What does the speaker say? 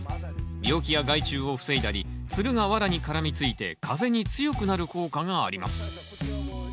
病気や害虫を防いだりつるがワラに絡みついて風に強くなる効果があります。